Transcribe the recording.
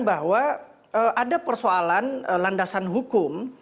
bahwa ada persoalan landasan hukum